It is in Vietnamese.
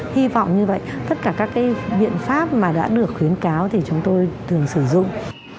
hy vọng như vậy tất cả các cái biện pháp mà đã được khuyến cáo thì chúng tôi thường sử dụng